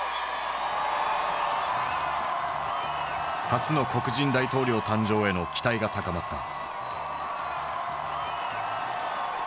初の黒人大統領誕生への期待が高まった。